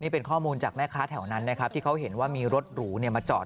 เป็นข้อมูลจากแม่ค้าแถวนั้นนะครับที่เขาเห็นว่ามีรถหรูมาจอด